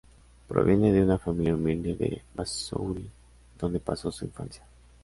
Proviene de una familia humilde de Basauri, donde pasó su infancia.